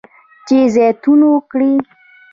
چې زیتون وکري.